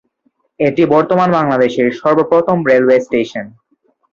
এটি বর্তমান বাংলাদেশের সর্বপ্রথম রেলওয়ে স্টেশন।